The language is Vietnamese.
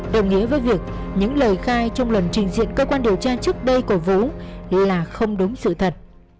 đồng nghĩa với việc những lời khai trong lần trình diện cơ quan điều tra trước đây của vũ là không đúng sự thật